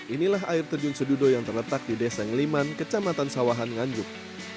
inilah air terjun sedudo yang terletak di desa ngeliman kecamatan sawahan nganjuk